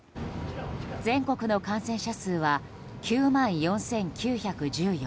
全国の感染者数は９万４９１４人。